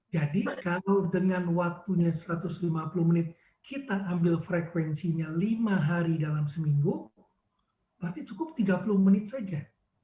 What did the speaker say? jadi kalau dengan waktunya satu ratus lima puluh menit kita ambil frekuensinya lima hari dalam seminggu berarti cukup tiga puluh menit saja